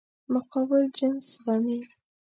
مقابل جنس زغمي.